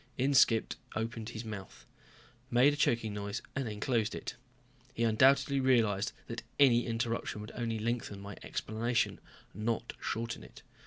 Inskipp opened his mouth, made a choking noise, then closed it. He undoubtedly realized that any interruption would only lengthen my explanation, not shorten it.